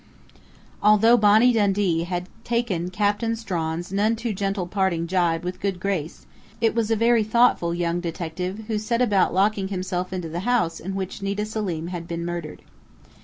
'"Although Bonnie Dundee had taken Captain Strawn's none too gentle parting gibe with good grace, it was a very thoughtful young detective who set about locking himself into the house in which Nita Selim had been murdered.